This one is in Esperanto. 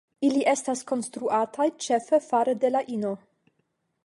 Ili estas konstruataj ĉefe fare de la ino.